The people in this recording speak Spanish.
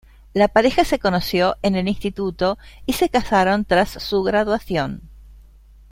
La pareja se conoció en el instituto y se casaron tras su graduación.